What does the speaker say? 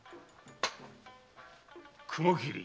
雲切。